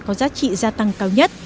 có giá trị gia tăng cao nhất